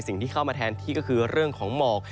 สิ่งที่เข้ามาแทนที่ก็คือเรื่องของหมอก